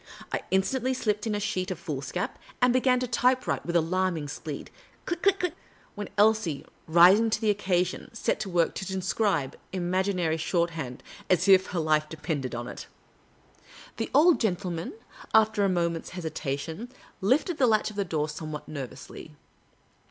I instantly slipped in a sheet of 156 Miss Cayley's Adventures foolscap, and began to typewrite with alarming speed — click, click, click ; while Elsie, rising to the occasion, set to work to transcribe, imaginarj' shorthand as if her life depended upon it. The old gentleman, after a moment's hesitation, lifted the latch of the door somewhat nervously.